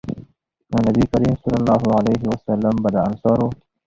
نو نبي کريم صلی الله علیه وسلّم به د انصارو